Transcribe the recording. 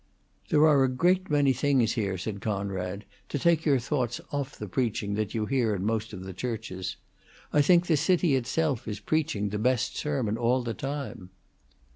"There are a great many things here," said Conrad, "to take your thoughts off the preaching that you hear in most of the churches. I think the city itself is preaching the best sermon all the time."